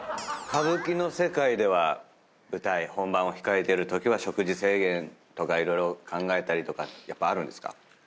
歌舞伎の世界では舞台本番を控えてるときは食事制限とか色々考えたりとかやっぱあるんですか？